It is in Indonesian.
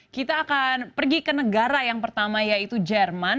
kita akan pergi ke negara yang pertama yaitu jerman